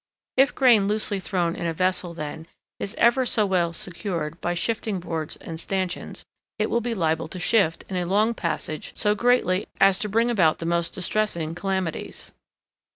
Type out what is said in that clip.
If grain loosely thrown in a vessel, then, is ever so well secured by shifting boards and stanchions, it will be liable to shift in a long passage so greatly as to bring about the most distressing calamities.